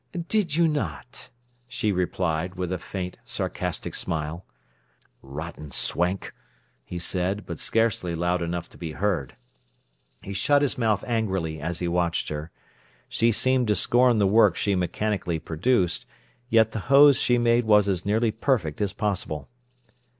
"Did you not?" she replied, with a faint, sarcastic smile. "Rotten swank!" he said, but scarcely loud enough to be heard. He shut his mouth angrily as he watched her. She seemed to scorn the work she mechanically produced; yet the hose she made were as nearly perfect as possible.